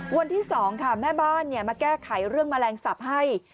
วันที่๒ค่ะแม่บ้านมาแก้ไขเรื่องแมลงสับให้